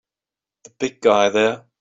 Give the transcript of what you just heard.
The big guy there!